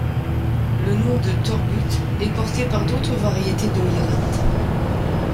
Le nom de torgut est porté par d'autres variétés d'oïrate.